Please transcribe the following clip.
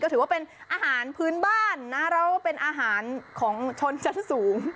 ถือว่าเป็นอาหารพื้นบ้านนะแล้วเป็นอาหารของชนชั้นสูง